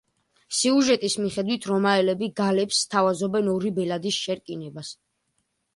სიუჟეტის მიხედვით, რომაელები გალებს სთავაზობენ ორი ბელადის შერკინებას.